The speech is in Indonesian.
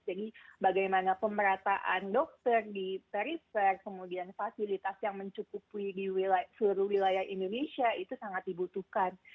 jadi bagaimana pemerataan dokter di perifer kemudian fasilitas yang mencukupi di seluruh wilayah indonesia itu sangat dibutuhkan